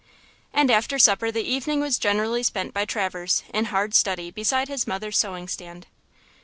And after supper the evening was generally spent by Traverse in hard study beside his mother's sewing stand.